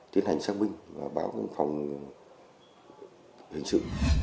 tiến hành sang binh và báo công phòng hình sự